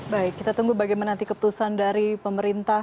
baik kita tunggu bagaimana nanti keputusan dari pemerintah